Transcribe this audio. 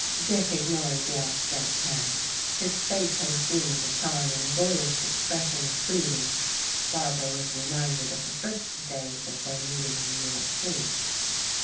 Dick ignored the outstretched hand. His face had assumed a charming, boyish expression of pleading. Barbara was reminded of the first days of their meeting in New York City.